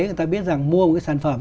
người ta biết rằng mua một sản phẩm